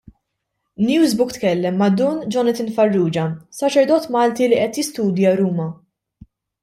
Newsbook tkellem ma' Dun Jonathan Farrugia, saċerdot Malti li qed jistudja Ruma.